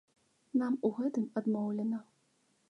Нам у гэтым адмоўлена.